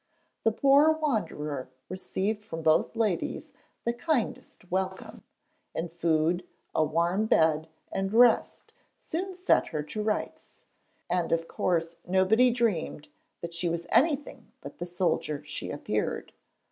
The poor wanderer received from both ladies the kindest welcome; and food, a warm bed, and rest soon set her to rights, and of course nobody dreamed that she was anything but the soldier she appeared.